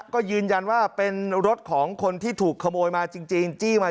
ก็ยืนยันว่าเป็นรถของคนที่ถูกขโมยมาจริงจี้มา